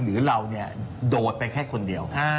หรือเราโดดไปแค่คนเดียว